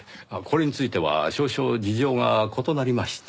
これについては少々事情が異なりまして。